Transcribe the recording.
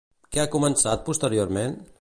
Què ha començat posteriorment?